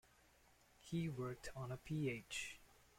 He worked on a Ph.